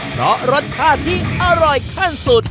เพราะรสชาติที่อร่อยขั้นสุด